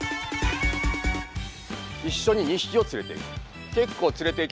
一緒に２匹を連れていく。